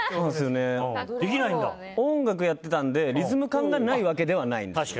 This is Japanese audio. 音楽やってたんで、リズム感がないわけではないんです。